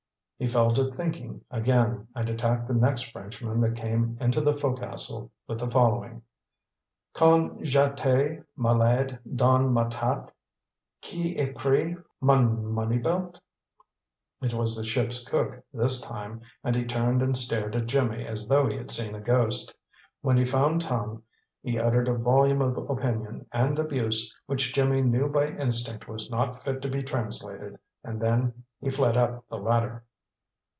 He fell to thinking again, and attacked the next Frenchman that came into the fo'cas'le with the following: "Kond j'aytay malade don ma tate, kee a pree mon money belt?" It was the ship's cook this time, and he turned and stared at Jimmy as though he had seen a ghost. When he found tongue he uttered a volume of opinion and abuse which Jimmy knew by instinct was not fit to be translated, and then he fled up the ladder.